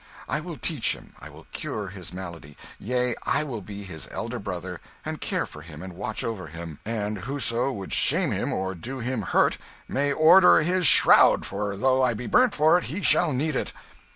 I will teach him; I will cure his malady; yea, I will be his elder brother, and care for him and watch over him; and whoso would shame him or do him hurt may order his shroud, for though I be burnt for it he shall need it!"